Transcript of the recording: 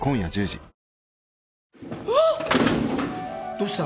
どうした？